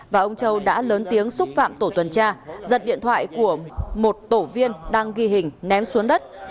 và ông châu đã lớn tiếng xúc phạm tổ tuần tra giật điện thoại của một tổ viên đang ghi hình ném xuống đất